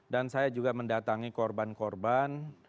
dan saya juga mendatangi korban korban